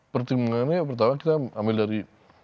pertimbangannya pertama kita ambil dari